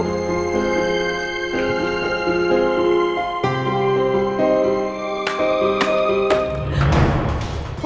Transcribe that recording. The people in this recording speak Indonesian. tunggu bentar ya ibu